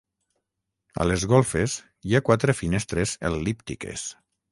A les golfes hi ha quatre finestres el·líptiques.